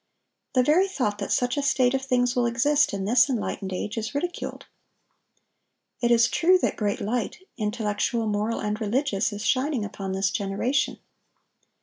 The very thought that such a state of things will exist in this enlightened age is ridiculed. It is true that great light, intellectual, moral, and religious, is shining upon this generation.